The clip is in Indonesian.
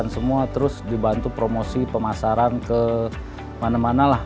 semua terus dibantu promosi pemasaran ke mana mana lah